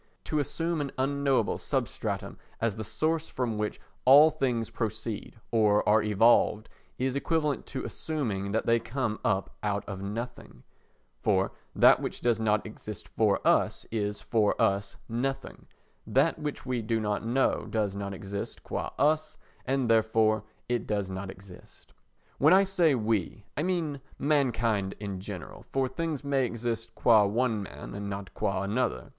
To assume an unknowable substratum as the source from which all things proceed or are evolved is equivalent to assuming that they come up out of nothing; for that which does not exist for us is for us nothing; that which we do not know does not exist qua us, and therefore it does not exist. When I say "we," I mean mankind generally, for things may exist qua one man and not qua another.